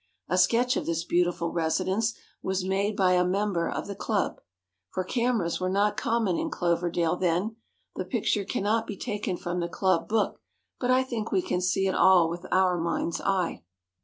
A sketch of this beautiful residence was made by a member of the club—for cameras were not common in Cloverdale then—the picture cannot be taken from the club book, but I think we can see it all with our mind's eye.